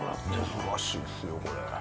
珍しいですよこれ。